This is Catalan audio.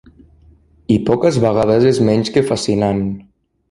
I poques vegades és menys que fascinant.